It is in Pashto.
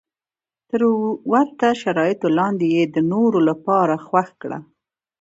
تر ورته شرایطو لاندې یې د نورو لپاره خوښ کړه.